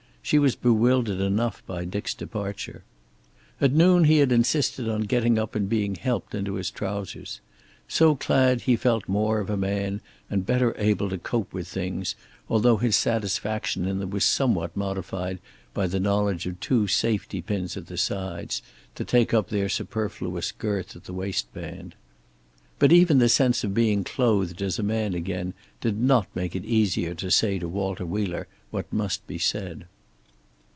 She was bewildered enough by Dick's departure. At noon he had insisted on getting up and being helped into his trousers. So clad he felt more of a man and better able to cope with things, although his satisfaction in them was somewhat modified by the knowledge of two safety pins at the sides, to take up their superfluous girth at the waistband. But even the sense of being clothed as a man again did not make it easier to say to Walter Wheeler what must be said.